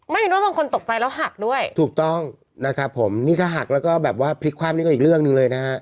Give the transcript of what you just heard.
ไม่เป็นว่าบางคนตกใจแล้วหักด้วยถูกต้องนะครับผมนี่ถ้าหักแล้วก็แบบว่าพลิกความนี่ก็อีกเรื่องหนึ่งเลยนะฮะ